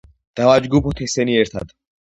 დავაჯგუფოთ ესენი ერთად.